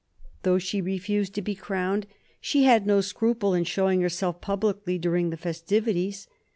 Though she refused to be 42 MARIA THERESA chap, ii crowned, she had no scruple in showing herself publicly during the festivities.